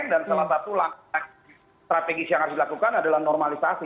dan salah satu langkah strategis yang harus dilakukan adalah normalisasi